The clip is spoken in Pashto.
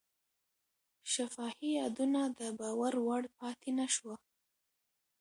شفاهي یادونه د باور وړ پاتې نه شوه.